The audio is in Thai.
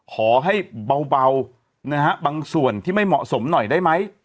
ขอให้เบานะฮะบางส่วนที่ไม่เหมาะสมหน่อยได้ไหม